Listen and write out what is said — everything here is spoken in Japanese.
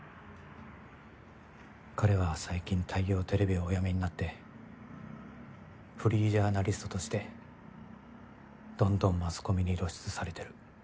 彼は最近大洋テレビをお辞めになってフリージャーナリストとしてどんどんマスコミに露出されてる。